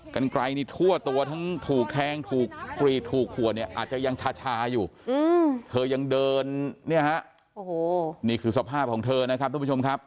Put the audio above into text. กางกรายนี่ทั่วทั้งถูกแทงถูกก๋วเนี๊ยอาจจะยังชาอยู่เธอยังเดินเนี้ยฮะเนี่ยคือสภาพของเธอนะครับทุกผู้ชมครับ